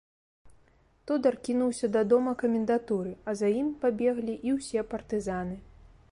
Тодар кінуўся да дома камендатуры, а за ім пабеглі і ўсе партызаны.